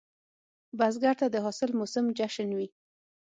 بزګر ته د حاصل موسم جشن وي